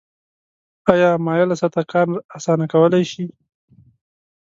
آیا مایله سطحه کار اسانه کولی شي؟